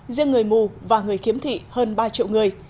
riêng người mù và người khiếm thị hơn ba triệu người